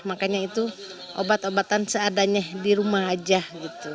makanya itu obat obatan seadanya di rumah aja gitu